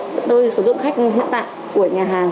gấp đôi số dưỡng khách hiện tại của nhà hàng